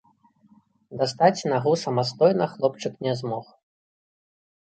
Дастаць нагу самастойна хлопчык не змог.